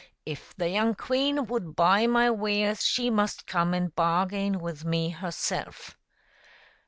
If the young queen would buy my wares she must come and bargain with me herself.''